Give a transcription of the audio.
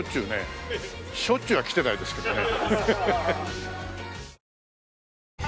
しょっちゅうは来てないですけどね。